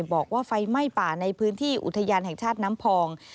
บอกว่าไฟไหม้ป่าในพื้นที่อุทยานแห่งชาติน้ำพอง